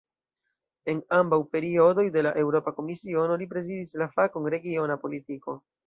En ambaŭ periodoj de la Eŭropa Komisiono, li prezidis la fakon "regiona politiko".